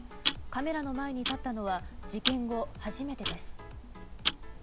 カメラの前に立ったのは事件後初めてです。